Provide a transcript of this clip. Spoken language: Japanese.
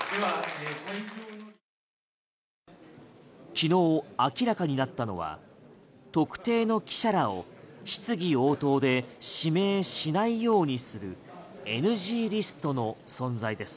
昨日明らかになったのは特定の記者らを質疑応答で指名しないようにするＮＧリストの存在です。